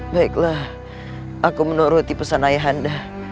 baiklah aku menuruti pesan ayah anda